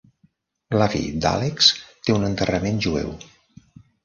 L'avi de l'Alex té un enterrament jueu.